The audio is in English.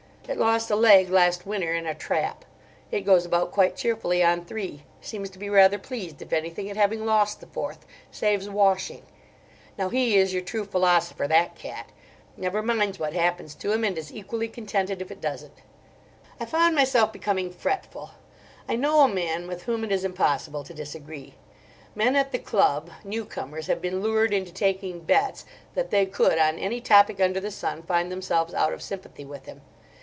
It lost a leg last winter in a trap: it goes about quite cheerfully on three. Seems to be rather pleased, if anything, at having lost the fourth—saves washing. Now, he is your true philosopher, that cat; never minds what happens to him, and is equally contented if it doesn't." I found myself becoming fretful. I know a man with whom it is impossible to disagree. Men at the Club—new comers—have been lured into taking bets that they could on any topic under the sun find themselves out of sympathy with him.